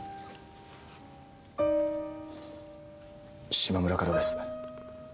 嶋村からです。